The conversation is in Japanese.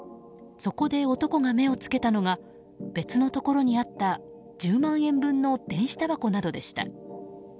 そこで男が目をつけたのが別のところにあった１０万円分の電子たばこなどでした。